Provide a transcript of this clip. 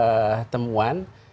jadi ada tujuh puluh temuan